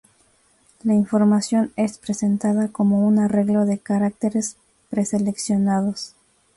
La información es presentada como un arreglo de caracteres preseleccionados.